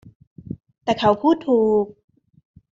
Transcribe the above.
แต่เขาพูดถูก